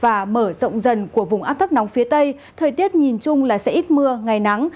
và mở rộng dần của vùng áp thấp nóng phía tây thời tiết nhìn chung là sẽ ít mưa ngày nắng